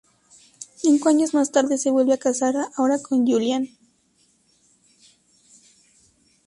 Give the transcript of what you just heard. Cinco años más tarde se vuelve a casar, ahora, con Julian St.